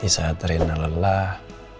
di saat rena lelah